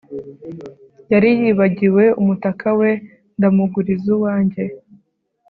Yari yibagiwe umutaka we ndamuguriza uwanjye